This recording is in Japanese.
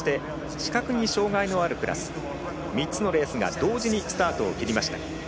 視覚に障がいのあるクラス３つのレースが同時にスタートを切りました。